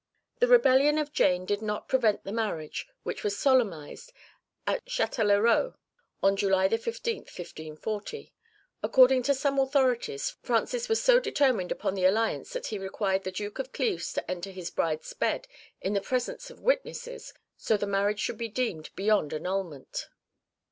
(1) The rebellion of Jane did not prevent the marriage, which was solemnised at Châtelherault on July 15th, 1540. According to some authorities, Francis was so determined upon the alliance that he required the Duke of Cleves to enter his bride's bed in the presence of witnesses, so that the marriage should be deemed beyond annulment.